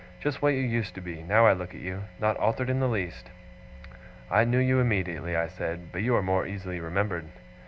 Just what you used to be, now I look at you! Not altered in the least!' 'I knew you immediately,' I said; 'but you are more easily remembered.